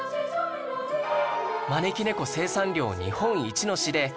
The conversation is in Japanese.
招き猫生産量日本一の市で